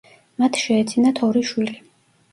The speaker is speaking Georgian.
მათ შეეძინათ ორი შვილი.